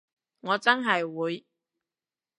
我真係會